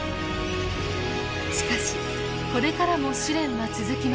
しかしこれからも試練は続きます。